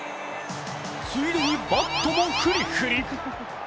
ついでに、バットもフリフリ。